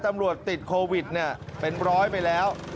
ติดโควิดเป็นร้อยไปแล้ว